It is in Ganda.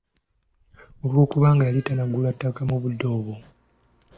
Olw'okubanga yali tannagula ttaka mu budde obwo.